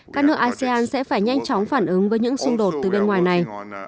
các nước asean sẽ phải nhanh chóng phản ứng với những xung đột từ bên ngoài này